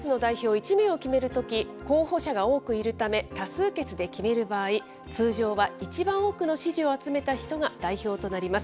１名を決めるとき、候補者が多くいるため多数決で決める場合、通常は一番多くの支持を集めた人が代表となります。